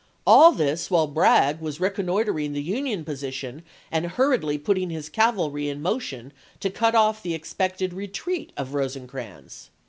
All this ibid., p. 195. while Bragg was reconnoitering the Union position and huiTiedly putting his cavalry in motion to cut off the expected retreat of Rosecrans.